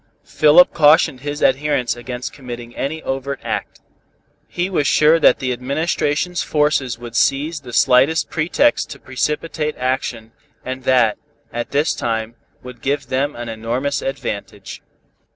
Philip cautioned his adherents against committing any overt act. He was sure that the administration forces would seize the slightest pretext to precipitate action, and that, at this time, would give them an enormous advantage.